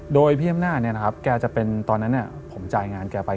โดยพี่อำนาจตอนนั้นผมจ่ายงานแกไป